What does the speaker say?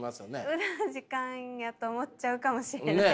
無駄な時間やと思っちゃうかもしれない。